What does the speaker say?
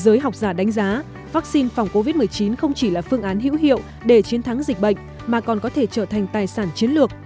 giới học giả đánh giá vaccine phòng covid một mươi chín không chỉ là phương án hữu hiệu để chiến thắng dịch bệnh mà còn có thể trở thành tài sản chiến lược